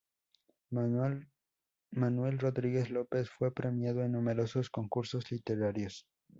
Manuel Rodríguez López fue premiado en numerosos concursos literarios.